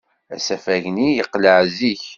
Asafag-nni yeqleɛ zik.